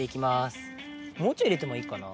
もうちょい入れてもいいかな？